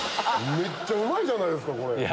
めっちゃうまいじゃないですか！